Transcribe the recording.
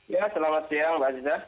ya selamat siang mbak aziza